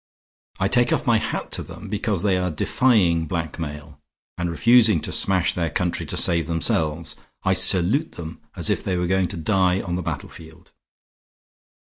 I take off my hat to them because they are defying blackmail, and refusing to smash their country to save themselves. I salute them as if they were going to die on the battlefield."